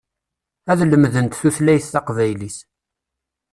Ad lemdent tutlayt taqbaylit.